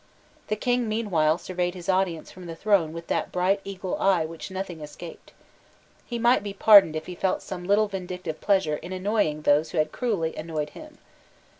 The King meanwhile surveyed his audience from the throne with that bright eagle eye which nothing escaped. He might be pardoned if he felt some little vindictive pleasure in annoying those who had cruelly annoyed him.